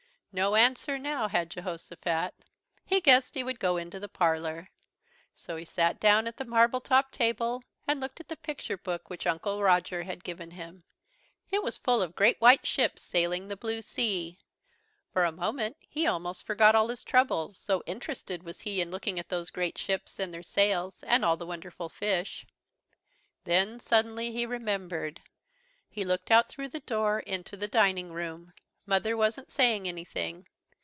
No answer now had Jehosophat. He guessed he would go into the parlour. So he sat down at the marble topped table, and looked at the picture book which Uncle Roger had given him. It was full of great white ships sailing the blue sea. For a moment he almost forgot all his troubles, so interested was he in looking at those great ships and their sails and all the wonderful fish. Then suddenly he remembered. He looked out through the door into the dining room. Mother wasn't saying anything.